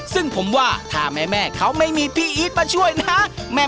ซึ่งผมว่าถ้าแม่เขาไม่มีพี่อีทมาช่วยนะ